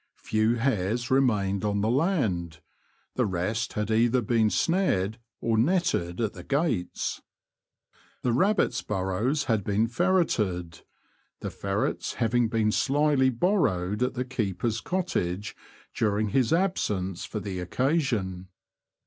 Few hares remained on the land ; the rest had either been snared or netted at the gates. The rabbits' burrows had been ferreted, the ferrets having been slyly borrowed at the keeper's cottage during his absence for the occasion.